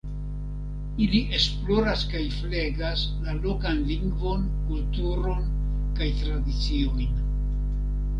Ili esploras kaj flegas la lokan lingvon, kulturon kaj tradiciojn.